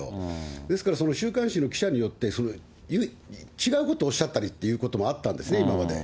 ですから、週刊誌の記者によって、違うことをおっしゃったりということもあったんですね、今まで。